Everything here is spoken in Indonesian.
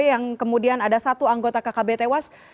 yang kemudian ada satu anggota kkb tewas